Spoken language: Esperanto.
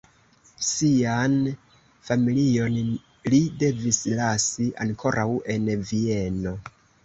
Sian familion li devis lasi ankoraŭ en Vieno.